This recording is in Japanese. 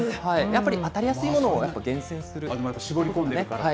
やっぱり当たりやすいものを厳選絞り込んでいく。